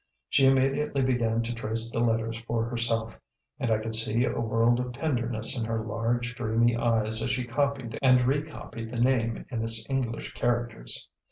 She immediately began to trace the letters for herself, and I could see a world of tenderness in her large dreamy eyes as she copied and recopied the name in its English characters.